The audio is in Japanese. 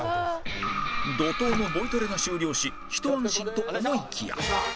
怒涛のボイトレが終了しひと安心と思いきや